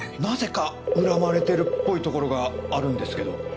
なぜか恨まれてるっぽいところがあるんですけど。